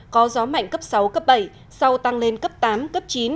có gió mạnh cấp sáu cấp bảy sau tăng lên cấp tám cấp chín